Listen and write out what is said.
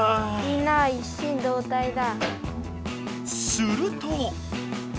すると。